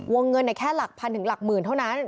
เงินแค่หลักพันถึงหลักหมื่นเท่านั้น